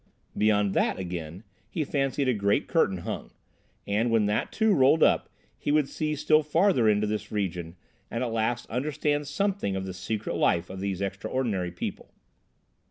Beyond that, again, he fancied a great curtain hung; and when that too rolled up he would see still farther into this region and at last understand something of the secret life of these extraordinary people.